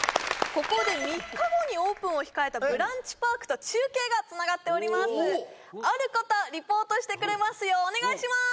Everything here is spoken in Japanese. ここで３日後にオープンを控えたブランチパークと中継がつながっておりますある方リポートしてくれますよお願いします！